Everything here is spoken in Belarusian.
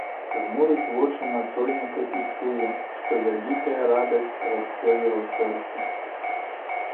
Жмурыць вочы на сонейка і чуе, што вялікая радасць расце ў яго сэрцы.